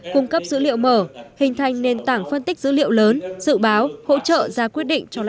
cung cấp dữ liệu mở hình thành nền tảng phân tích dữ liệu lớn dự báo hỗ trợ ra quyết định cho lãnh đạo thành phố